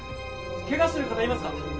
ケガしてる方いますか？